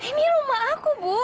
ini rumah aku bu